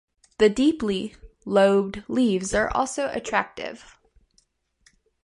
The deeply lobed leaves are also attractive.